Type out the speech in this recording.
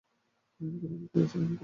আমি তোমাকে পরীক্ষা করেছি।